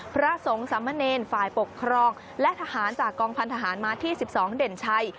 พระสงฆ์สามเณรฝ่ายปกครองและทหารจากกองพันธหารมาที่๑๒เด่นชัย